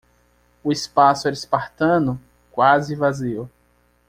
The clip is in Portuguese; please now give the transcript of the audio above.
O espaço era espartano? quase vazio.